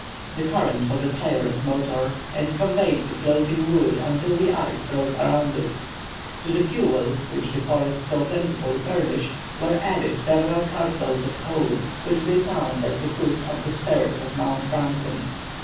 The current was a tireless motor, and conveyed the floating wood until the ice froze around it. To the fuel, which the forest so plentifully furnished, were added several cartloads of coal, which they found at the foot of the spurs of Mount Franklin.